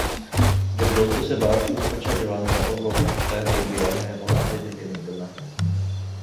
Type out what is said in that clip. جب دوستوں سے بات کی تو اچھا جواب ملا اور پروگرام طے ہو گیا کہ آدھےگھنٹے میں نکلنا ہے ۔